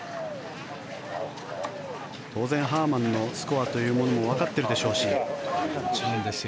当然、ハーマンのスコアというのもわかっているでしょうし。